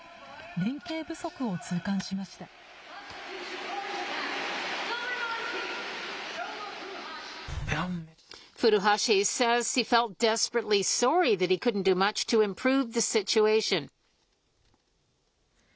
連係不足を痛感しました。